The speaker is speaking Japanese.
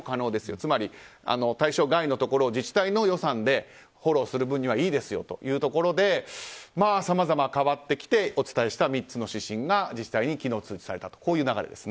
つまり対象外のところを自治体の予算でフォローする部分にはいいですよというところでさまざま変わってきてお伝えした３つの指針が自治体に昨日、通知されたという流れですね。